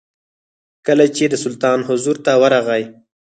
کله چې د سلطان حضور ته ورغی.